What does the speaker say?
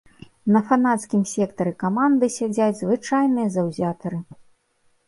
На фанацкім сектары каманды сядзяць звычайныя заўзятары.